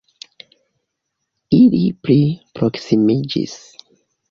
Ili pli proksimiĝis.